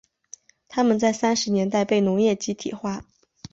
他们在三十年代被农业集体化。